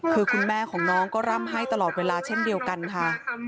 คือคุณแม่ของน้องก็ร่ำให้ตลอดเวลาเช่นเดียวกันค่ะ